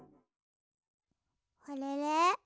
あれれ？